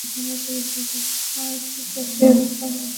এটি কোষের কর্মতৎপরতার জন্য দরকারি শক্তি জোগায় এবং শরীরকে কর্মক্ষম রাখে।